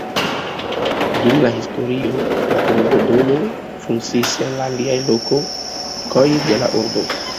Dum la historio la urbodomo funkciis en aliaj lokoj de la urbo.